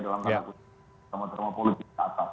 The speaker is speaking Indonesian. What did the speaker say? dalam dalam drama drama politik di atas